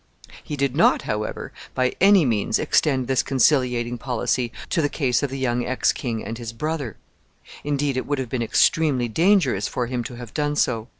He did not, however, by any means extend this conciliating policy to the case of the young ex king and his brother; indeed, it would have been extremely dangerous for him to have done so.